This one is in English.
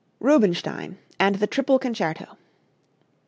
Rubinstein and the "Triple Concerto."